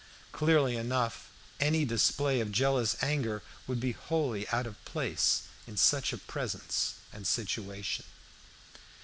Clearly enough, any display of jealous anger would be wholly out of place in such a presence and situation.